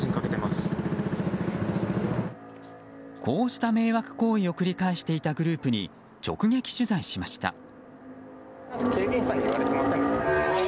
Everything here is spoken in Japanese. こうした迷惑行為を繰り返していたグループに直撃取材しました。